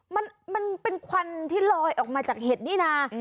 มันเป็นควันที่ลอยออกมาจากเห็ดนี่นะ